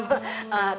aku mau berbicara